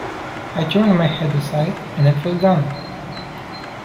I turned my head aside, and it was gone.